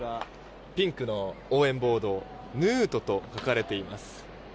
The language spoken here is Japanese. ピンクの応援ボード「ＮＯＯＴ」と書かれています。